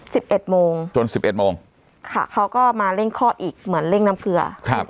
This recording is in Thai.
สิบเอ็ดโมงจนสิบเอ็ดโมงค่ะเขาก็มาเร่งคลอดอีกเหมือนเร่งน้ำเกลือครับ